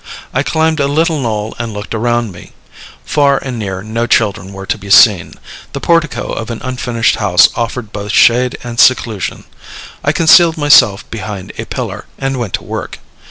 I climbed a little knoll and looked around me. Far and near no children were to be seen; the portico of an unfinished house offered both shade and seclusion. I concealed myself behind a pillar, and went to work.